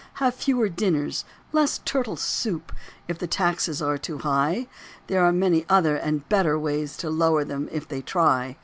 Have fewer dinners, less turtle soup, If the taxes are too high. There are many other and better ways To lower them if they try.